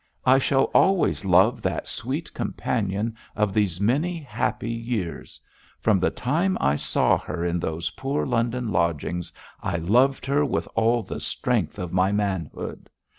I shall always love that sweet companion of these many happy years. From the time I saw her in those poor London lodgings I loved her with all the strength of my manhood.